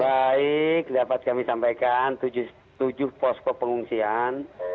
baik dapat kami sampaikan tujuh posko pengungsian